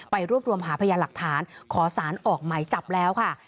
รวบรวมหาพยานหลักฐานขอสารออกหมายจับแล้วค่ะ